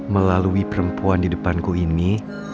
melalui perempuan di depanku ini